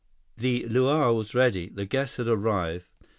The luau was ready. The guests had arrived.